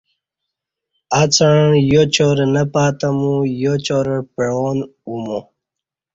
اڅݩع یاچارہ نہ پاتہ مو یاچارہ پعوان اوہ مو